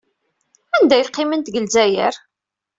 Anda ay qqiment deg Lezzayer?